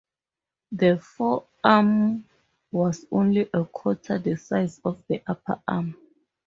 The forearm was only a quarter the size of the upper arm.